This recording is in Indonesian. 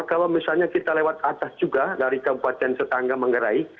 kalau misalnya kita lewat atas juga dari kabupaten setangga manggarai